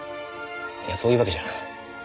いやそういうわけじゃ。